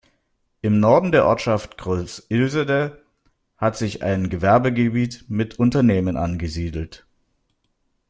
Im Norden der Ortschaft Groß Ilsede hat sich ein Gewerbegebiet mit Unternehmen angesiedelt.